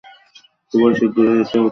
খুব শীঘ্রই এটা উত্তর গোলার্ধে আঘাত হানবে!